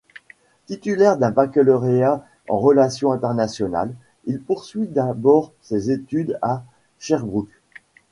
Titulaire d'un baccalauréat en relations internationales, il poursuit d’abord ses études à Sherbrooke.